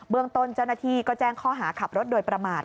เมืองต้นเจ้าหน้าที่ก็แจ้งข้อหาขับรถโดยประมาท